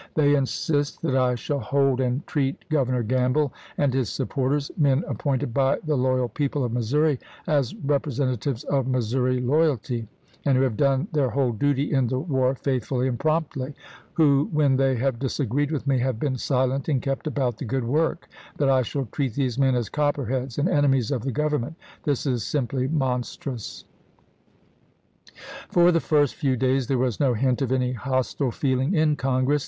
They insist that I shall hold and treat 112 ABKAHAM LINCOLN J.H., Diary. Appendix, " Globe," July 17, 1862, p. 413. Governor Gamble and his supporters, men ap pointed by the loyal people of Missouri, as repre sentatives of Missouri loyalty, and who have done their whole duty in the war faithfully and promptly, who when they have disagreed with me have been silent and kept about the good work — that I shall treat these men as copperheads and enemies of the Government. This is simply monstrous." For the first few days there was no hint of any hostile feeling in Congress.